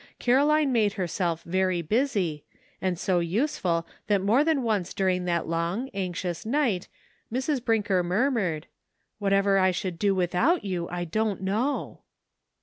Caroline made herself very busy, and so useful that more than once during that long, anxious night Mrs. Brinker murmured, "What ever I should do without you I don't know